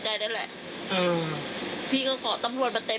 มันดังมากแรงมันเป็นกระจก